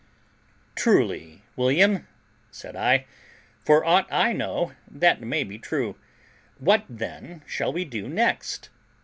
"Truly, William," said I, "for aught I know, that may be true; what, then, shall we do next?"